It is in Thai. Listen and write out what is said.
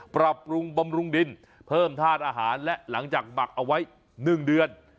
ปรับปรุงบำรุงดินเพิ่มธาตุอาหารและหลังจากหมักเอาไว้๑เดือน